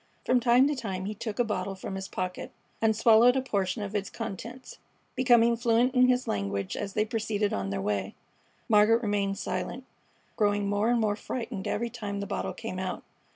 From time to time he took a bottle from his pocket and swallowed a portion of its contents, becoming fluent in his language as they proceeded on their way. Margaret remained silent, growing more and more frightened every time the bottle came out.